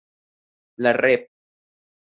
La Rep.